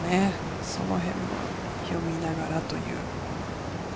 そのへんは読みながらという。